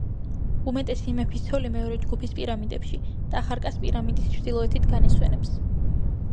უმეტესი მეფის ცოლი მეორე ჯგუფის პირამიდებში, ტახარკას პირამიდის ჩრდილოეთით განისვენებს.